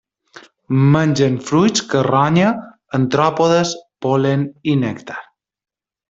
Mengen fruits, carronya, artròpodes, pol·len i nèctar.